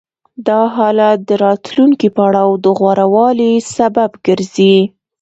دا حالت د راتلونکي پړاو د غوره والي سبب ګرځي